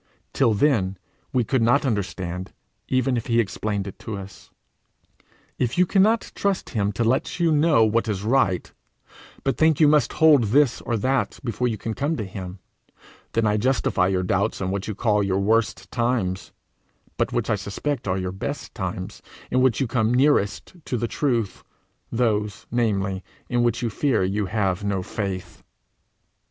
Till then we could not understand even if he explained to us. If you cannot trust him to let you know what is right, but think you must hold this or that before you can come to him, then I justify your doubts in what you call your worst times, but which I suspect are your best times in which you come nearest to the truth those, namely, in which you fear you have no faith.